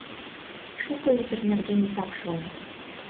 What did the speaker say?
Шуко ӱдыр нерген итак шоно!